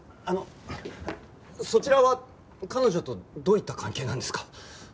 あのそちらは彼女とどういった関係なんですか？